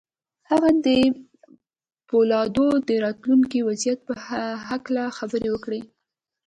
هغه د پولادو د راتلونکي وضعيت په هکله خبرې وکړې.